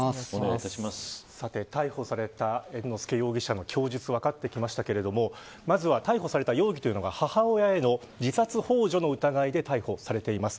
逮捕された猿之助容疑者の供述分かってきましたがまずは逮捕された容疑が母親への自殺ほう助の疑いで逮捕されています。